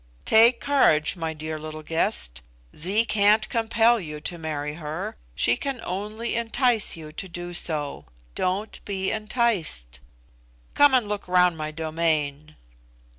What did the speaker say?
"Take courage, my dear little guest; Zee can't compel you to marry her. She can only entice you to do so. Don't be enticed. Come and look round my domain."